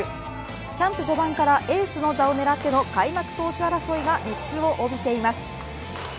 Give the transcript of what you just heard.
キャンプ序盤から、エースの座を狙っての開幕投手争いが熱を帯びています。